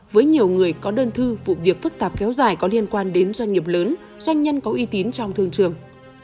với nhiều người có đơn thư vụ việc phức tạp kéo dài có liên quan đến doanh nghiệp lớn doanh nhân có uy tín trong thương trường